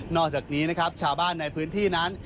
อกจากนี้นะครับชาวบ้านในพื้นที่นั้น